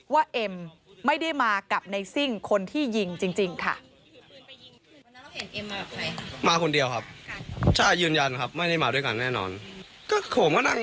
เอ็มไม่ได้มากับในซิ่งคนที่ยิงจริงค่ะ